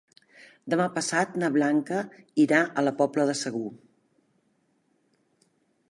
Demà passat na Blanca irà a la Pobla de Segur.